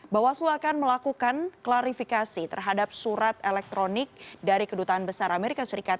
bawaslu akan melakukan klarifikasi terhadap surat elektronik dari kedutaan besar amerika serikat